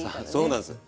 そうなんです。